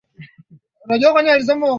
sasa uwezo wa miundo mbinu kusambaa mpaka uko